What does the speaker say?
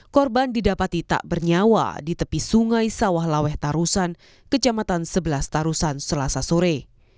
korban didapati tak bernyawa di tepi sungai sawah laweh tarusan kecamatan sebelas tarusan selasa sore